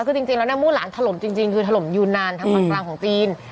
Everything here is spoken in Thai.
คือจริงแล้วเนี่ยมู่หลานถล่มจริงคือถล่มยูนานทางฝั่งกลางของจีน